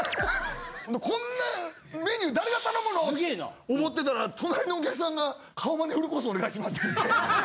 こんなメニュー誰が頼むの？って思ってたら隣のお客さんが「顔まねフルコースお願いします」って言って。